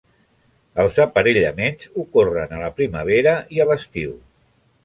Els aparellaments ocorren a la primavera i a l'estiu.